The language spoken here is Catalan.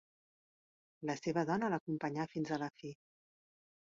La seva dona l'acompanyà fins a la fi.